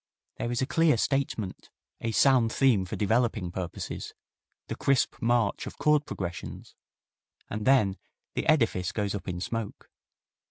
There is a clear statement, a sound theme for developing purposes, the crisp march of chord progressions, and then the edifice goes up in smoke.